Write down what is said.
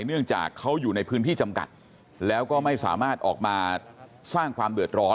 เนื่องจากเขาอยู่ในพื้นที่จำกัดแล้วก็ไม่สามารถออกมาสร้างความเดือดร้อน